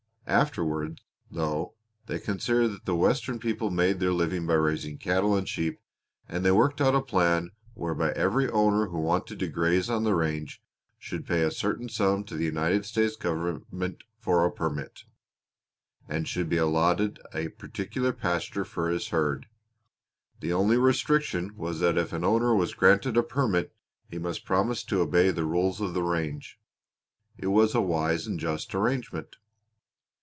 Afterward, though, they considered that the western people made their living by raising cattle and sheep, and they worked out a plan whereby every owner who wanted to graze on the range should pay a certain sum to the United States Government for a permit, and should be allotted a particular pasture for his herd. The only restriction was that if an owner was granted a permit he must promise to obey the rules of the range. It was a wise and just arrangement.